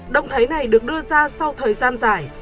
động thái này được đưa ra sau thời gian dài